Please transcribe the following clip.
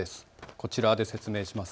こちらで説明します。